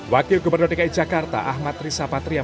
wakil gubernur dki jakarta ahmad riza patria